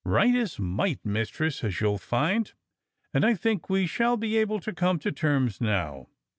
"Right is might, Mistress, as you'll find, and I think we shall be able to come to terms now.